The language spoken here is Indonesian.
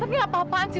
tante ini apa apaan sih